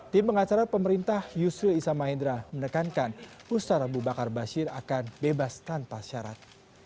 tim pengacara pemerintah yusril isamahendra menekankan ustadz abu bakar basir akan bebas tanpa syarat